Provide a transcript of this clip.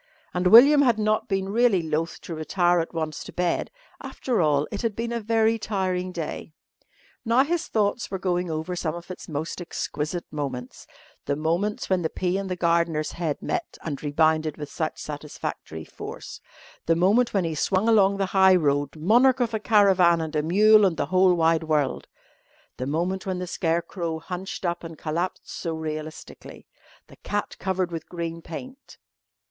And William had not been really loth to retire at once to bed. After all, it had been a very tiring day. Now his thoughts were going over some of its most exquisite moments the moments when the pea and the gardener's head met and rebounded with such satisfactory force; the moment when he swung along the high road, monarch of a caravan and a mule and the whole wide world; the moment when the scarecrow hunched up and collapsed so realistically; the cat covered with green paint....